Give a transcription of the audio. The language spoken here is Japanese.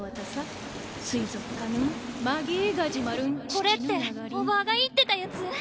これっておばあが言ってたやつ？